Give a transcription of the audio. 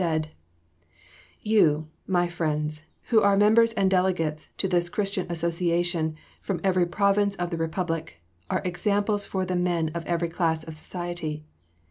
said: "You, my friends, who are members and delegates to this Christian Association from every province of the Republic, are examples for the men of every class of society.